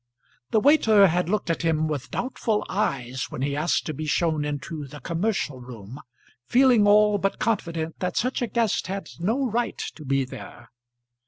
The waiter had looked at him with doubtful eyes when he asked to be shown into the commercial room, feeling all but confident that such a guest had no right to be there.